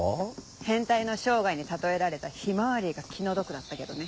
変態の生涯に例えられたヒマワリが気の毒だったけどね。